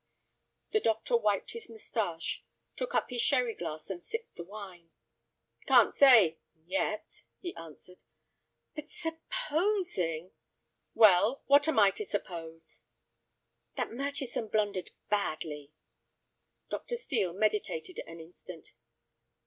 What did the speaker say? The doctor wiped his mustache, took up his sherry glass and sipped the wine. "Can't say—yet," he answered. "But supposing—" "Well, what am I to suppose?" "That Murchison blundered badly." Dr. Steel meditated an instant.